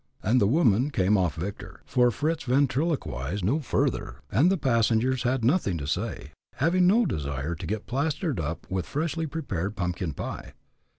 And the woman came off victor, for Fritz ventriloquized no further, and the passengers had nothing to say, having no desire to get plastered up with freshly prepared pumpkin pie.